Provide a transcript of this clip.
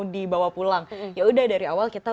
dibawa pulang yaudah dari awal kita